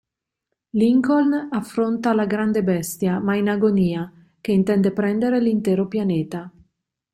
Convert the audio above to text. Lincoln affronta la grande bestia, ma in agonia che intende prendere l'intero pianeta.